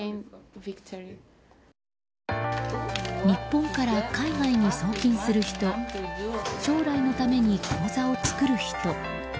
日本から海外に送金する人将来のために口座を作る人。